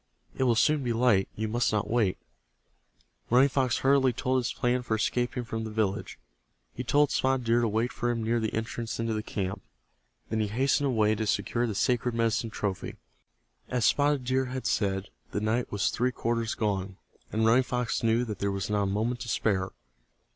It will soon be light. You must not wait." Running Fox hurriedly told his plan for escaping from the village. He told Spotted Deer to wait for him near the entrance into the camp. Then he hastened away to secure the sacred medicine trophy. As Spotted Deer had said, the night was three quarters gone, and Running Fox knew that there was not a moment to spare.